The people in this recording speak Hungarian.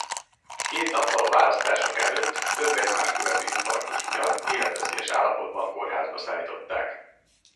Két nappal a választások előtt több egymást követő infarktus miatt életveszélyes állapotban kórházba szállították.